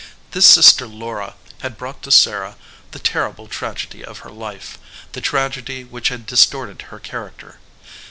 This sister Laura had brought to Sarah the ter rible tragedy of her life, the tragedy which had distorted her character.